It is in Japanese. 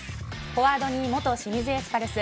フォワードに元清水エスパルス